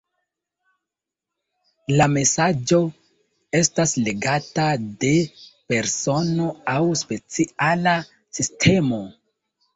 La mesaĝo estas legata de persono aŭ speciala sistemo.